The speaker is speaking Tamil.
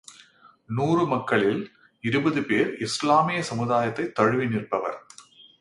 நூறு மக்களில் இருபது பேர் இஸ்லாமிய சமயத்தைத் தழுவி நிற்பவர்.